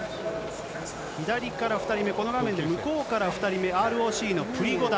左から２人目、この画面で向こうから２人目、ＲＯＣのプリゴダ。